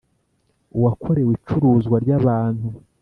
uwakorewe icuruzwa ry abantu